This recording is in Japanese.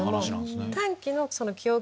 短期の記憶